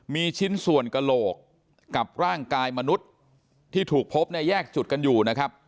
มีชิ้นส่วนกระโหลกกับร่างกายมนุษย์ที่ถูกพบเนี่ยแยกจุดกันอยู่นะครับ